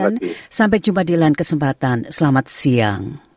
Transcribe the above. dan sampai jumpa di lain kesempatan selamat siang